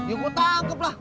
ya gue tangkap lah